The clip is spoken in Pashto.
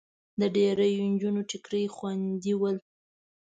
د ډېریو نجونو ټیکري خوېدلي ول.